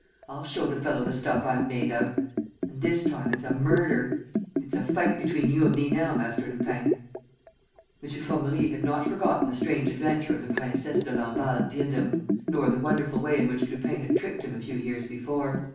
I'll show the fellow the stuff I'm made of! ... And this time it's a murder! ... It's a fight between you and me now, Master Lupin!" M. Formerie had not forgotten the strange adventure of the Princesse de Lamballe's diadem, nor the wonderful way in which Lupin had tricked him a few years before.